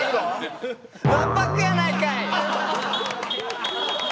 ワンパックやないかい！